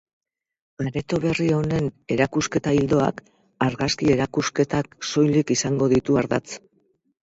Areto berri honen erakusketa-ildoak argazki-erakusketak soilik izango ditu ardatz.